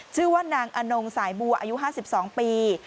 ชื่อว่านางอนงสายบัวอายุ๕๒ปี